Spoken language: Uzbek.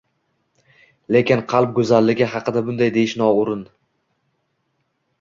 Lekin qalb go`zalligi haqida bunday deyish noo`rin